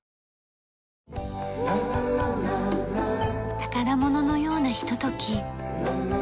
宝物のようなひととき。